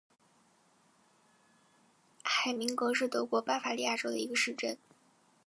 海明格是德国巴伐利亚州的一个市镇。